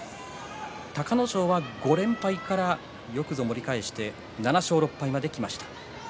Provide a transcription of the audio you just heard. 隆の勝は５連敗から盛り返して７勝６敗まできました。